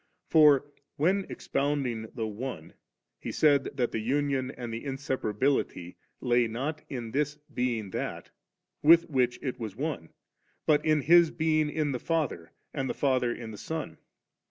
For, when expounding the ' One,' He said that the union and the insepa rability lay, not in This being That, with which It*was One, but in His being in the Father and the Father in the Son.